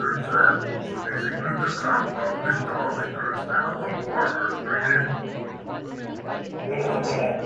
Examples of these include "The Compound" in Darlinghurst and along Palmer Street in Woolloomooloo.